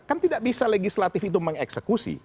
kan tidak bisa legislatif itu mengeksekusi